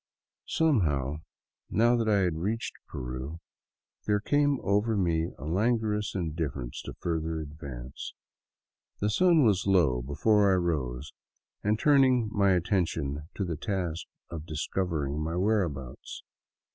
Somehow, now I had reached Peru, there came over me a languorous indifference to further advance. The sun was low be fore I rose and turned my attention to the task of discovering my whereabouts.